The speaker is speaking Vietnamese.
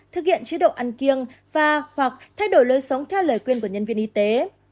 thực hiện chế độ ăn kiêng và hoặc thay đổi lối sống theo lời khuyên của nhân viên y tế